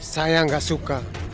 saya gak suka